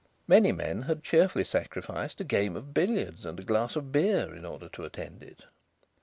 Many men had cheerfully sacrificed a game of billiards and a glass of beer in order to attend it.